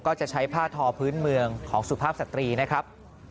ก็จะใช้ผ้าทอพื้นเมืองของสุภาพสตรีนะครับ